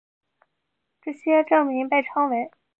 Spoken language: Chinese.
这些证明被称为。